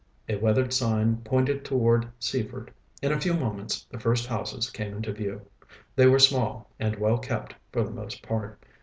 A weathered sign pointed toward Seaford. In a few moments the first houses came into view. They were small, and well kept for the most part.